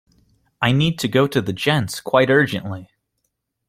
I need to go to the gents quite urgently